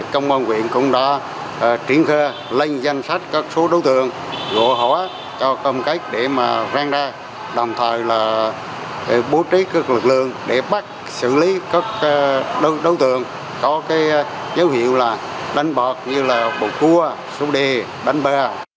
công an viện cũng đã triển khai lên danh sách các số đối tượng gộ hóa cho công cách để vang ra đồng thời bố trí các lực lượng để bắt xử lý các đối tượng có dấu hiệu đánh bạc như bột cua xô đề đánh bơ